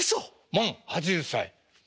満８０歳。